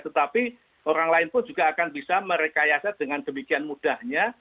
tetapi orang lain pun juga akan bisa merekayasa dengan demikian mudahnya